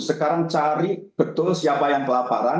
sekarang cari betul siapa yang kelaparan